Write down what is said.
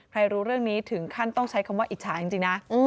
รู้เรื่องนี้ถึงขั้นต้องใช้คำว่าอิจฉาจริงนะ